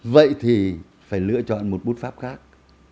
vậy thì phải lựa chọn một bút pháp khác